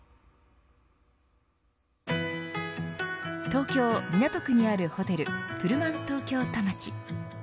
東京、港区にあるホテルプルマン東京田町。